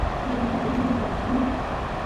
ایا تاسو د سترګو ډاکټر یاست؟